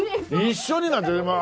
一緒になんて。